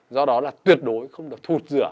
do đó là tuyệt đối không được thụt rửa